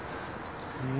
うん。